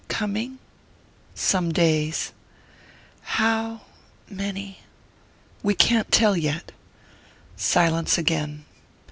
coming?" "Some days." "How...many?" "We can't tell yet." Silence again.